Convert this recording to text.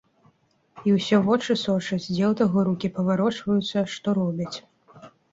І ўсё вочы сочаць, дзе ў таго рукі паварочваюцца, што робяць.